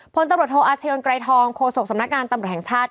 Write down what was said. พตบรธอาชญนใกรทองโขโสกสำนักการตำรวจแห่งชาติ